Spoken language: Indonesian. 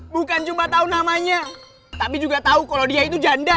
bukan cuma tahu namanya tapi juga tahu kalau dia itu janda